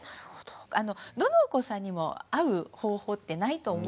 どのお子さんにも合う方法ってないと思うので。